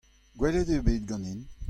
Gwelet eo bet ganin.